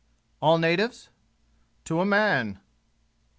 "All natives?" "To a man."